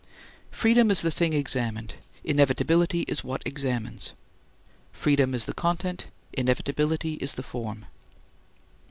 Freedom is the thing examined. Inevitability is what examines. Freedom is the content. Inevitability is the form.